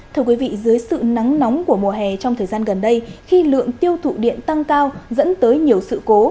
thưa quý vị dưới sự nắng nóng của mùa hè trong thời gian gần đây khi lượng tiêu thụ điện tăng cao dẫn tới nhiều sự cố